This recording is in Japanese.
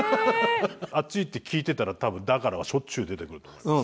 あっち行って聞いてたら多分「んだから」はしょっちゅう出てくると思いますよ。